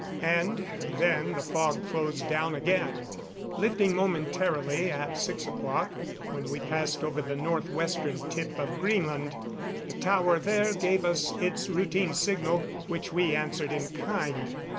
And then the fog closed down again, lifting momentarily at six o'clock when we passed over the north western tip of Greenland. The tower there gave us its routine signal, which we answered in kind.